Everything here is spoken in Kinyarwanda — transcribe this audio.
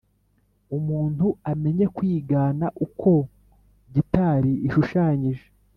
umuntu amenye kwigana uko gitari ishushanyije